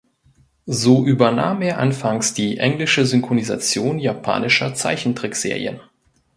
So übernahm er anfangs die englische Synchronisation japanischer Zeichentrickserien.